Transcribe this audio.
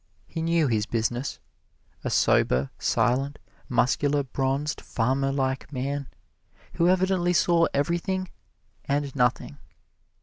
He knew his business a sober, silent, muscular, bronzed, farmer like man, who evidently saw everything and nothing.